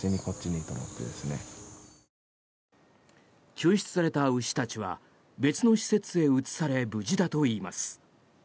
救出された牛たちは別の施設へ移され無事だといいます。